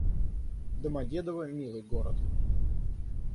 Домодедово — милый город